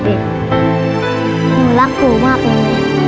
หนูรักปู่มากเลย